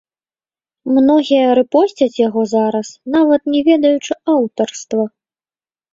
Многія рэпосцяць яго зараз, нават не ведаючы аўтарства.